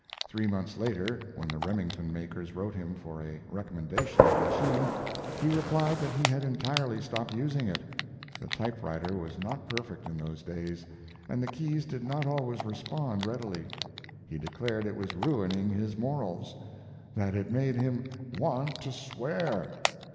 Three months later, when the Remington makers wrote him for a recommendation of the machine, he replied that he had entirely stopped using it. The typewriter was not perfect in those days, and the keys did not always respond readily. He declared it was ruining his morals that it made him "want to swear."